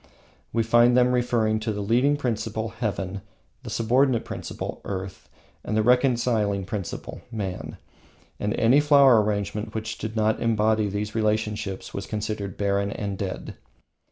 We find them referring to the Leading Principle (Heaven), the Subordinate Principle (Earth), the Reconciling Principle (Man), and any flower arrangement which did not embody these principles was considered barren and dead.